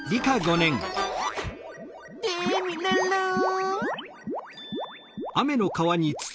テミルンルン！